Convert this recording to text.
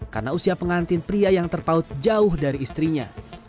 karena usia pengantin pria yang terpaut jauh dari istrinya